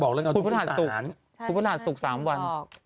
คุณพุทธศาสตร์สุก๓วัน